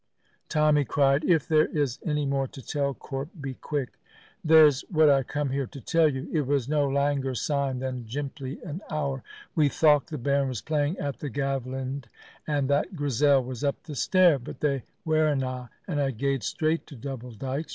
Tommy cried, "If there is any more to tell, Corp, be quick." "There's what I come here to tell you. It was no langer syne than jimply an hour. We thocht the bairn was playing at the gavle end, and that Grizel was up the stair. But they werena, and I gaed straight to Double Dykes.